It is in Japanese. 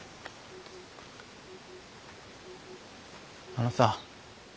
あのさ。